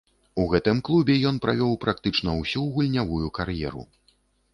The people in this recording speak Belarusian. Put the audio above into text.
У гэтым клубе ён правёў практычна ўсю гульнявую кар'еру.